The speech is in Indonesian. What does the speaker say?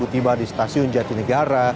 tiba di stasiun jatinegara